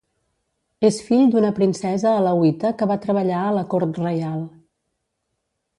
És fill d'una princesa alauita que va treballar a la cort reial.